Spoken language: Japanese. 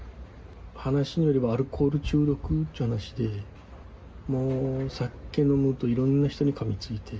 話によれば、アルコール中毒っていう話で、もう酒飲むと、いろんな人にかみついて。